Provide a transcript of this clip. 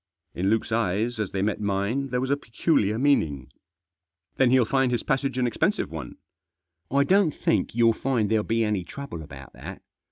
In Luke's eyes, as they met mine, there was a peculiar meaning. " Then he'll find his passage an expensive one." "I don't think you'll find there'll be any trouble about that.